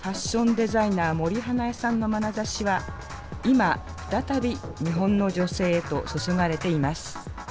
デザイナー森英恵さんのまなざしは今再び日本の女性へと注がれています。